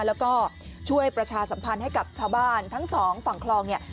แล้วก็ช่วยประชาสัมพันธ์ให้กับชาวบ้านทั้งสองฝั่งคลองเนี่ย